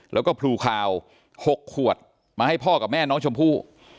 แล้วก็พลูคาว๖ขวดมาให้พ่อกับแม่น้องชมพู่